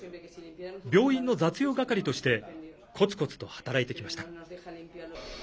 病院の雑用係としてこつこつと働いてきました。